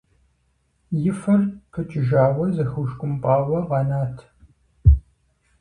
И фэр пыкӏыжауэ, зэхэушкӏумпӏауэ къэнат.